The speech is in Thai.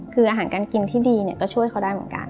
คืออาหารการกินที่ดีก็ช่วยเขาได้เหมือนกัน